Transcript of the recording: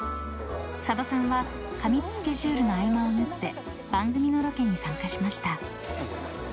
［佐渡さんは過密スケジュールの合間を縫って番組のロケに参加しました］